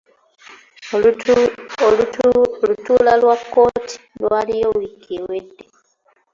Olutuula lwa kkooti lwaliyo wiiki ewedde.